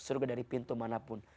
surga dari pintu manapun